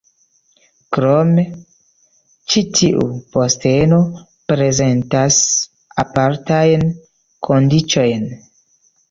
Krome ĉi tiu posteno prezentas apartajn kondiĉojn.